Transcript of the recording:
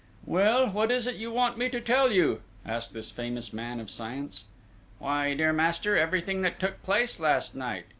"Well, what is it you want me to tell you?" asked this famous man of science. "Why, dear master, everything that took place last night!